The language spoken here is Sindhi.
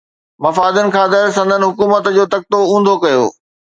مفادن خاطر سندن حڪومتن جو تختو اونڌو ڪيو